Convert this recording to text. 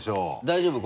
大丈夫？